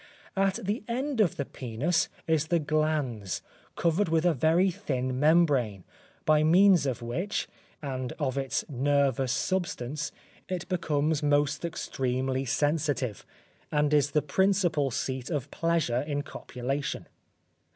At the end of the penis is the glans, covered with a very thin membrane, by means of which, and of its nervous substance, it becomes most extremely sensitive, and is the principal seat of pleasure in copulation.